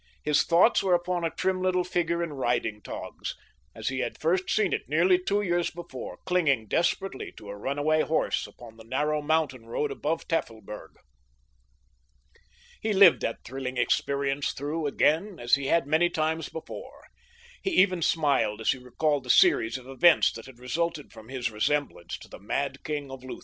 His thoughts were upon a trim little figure in riding togs, as he had first seen it nearly two years before, clinging desperately to a runaway horse upon the narrow mountain road above Tafelberg. He lived that thrilling experience through again as he had many times before. He even smiled as he recalled the series of events that had resulted from his resemblance to the mad king of Lutha.